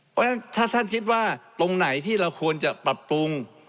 เพราะฉะนั้นถ้าท่านคิดว่าตรงไหนที่เราควรจะปรับปรุง